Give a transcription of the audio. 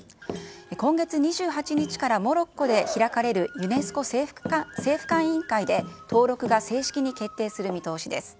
今月２８日からモロッコで開かれるユネスコ政府間委員会で登録が正式に決定する見通しです。